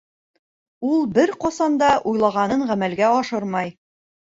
— Улар бер ҡасан да уйлағанын ғәмәлгә ашырмай.